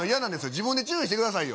自分で注意してくださいよ